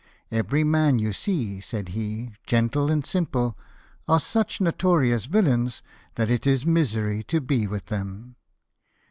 " Every man you see," said he, " gentle and simple, are such notorious villains that it is misery to be with them."